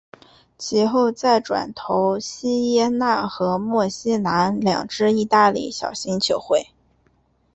其后再转投锡耶纳和墨西拿两支意大利小型球会。